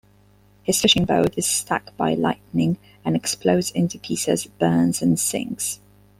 His fishing boat is struck by lightning and explodes into pieces, burns and sinks.